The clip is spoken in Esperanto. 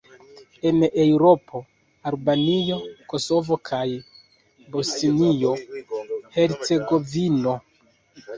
En Eŭropo: Albanio, Kosovo kaj Bosnio-Hercegovino.